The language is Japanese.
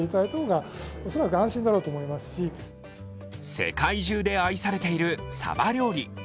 世界中で愛されているサバ料理。